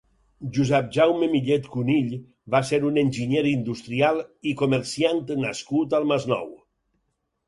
Josep Jaume Millet Cunill va ser un enginyer industrial i comerciant nascut al Masnou.